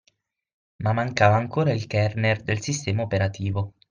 Ma mancava ancora il kernel del sistema operativo.